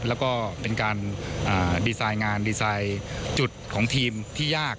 แล้วก็เป็นการดีไซน์งานดีไซน์จุดของทีมที่ยาก